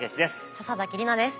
笹崎里菜です。